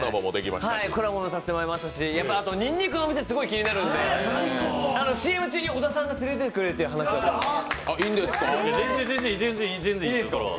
コラボもさせてもらいましたし、あとにんにくがすごい気になるのでＣＭ中に小田さんが連れていってくれるという話だったんですが。